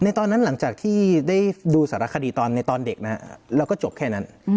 ตอนนั้นหลังจากที่ได้ดูสารคดีในตอนเด็กนะแล้วก็จบแค่นั้น